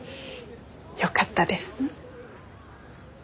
よかったです。